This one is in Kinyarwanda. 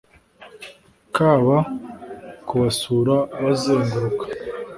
Kaba kubasura bazenguruka